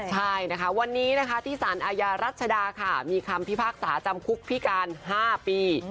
ใช่นะคะวันนี้นะคะที่สารอาญารัชดาค่ะมีคำพิพากษาจำคุกพิการ๕ปี